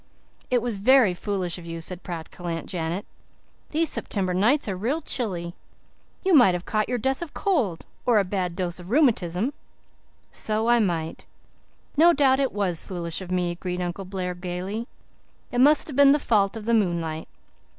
"It was very foolish of you," said practical Aunt Janet. "These September nights are real chilly. You might have caught your death of cold or a bad dose of rheumatism." "So I might. No doubt it was foolish of me," agreed Uncle Blair gaily. "It must have been the fault, of the moonlight.